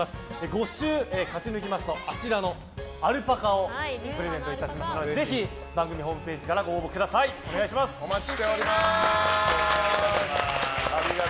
５週勝ち抜きますとあちらのアルパカをプレゼントいたしますのでぜひ番組ホームページからお待ちしております！